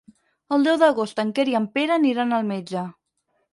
El deu d'agost en Quer i en Pere aniran al metge.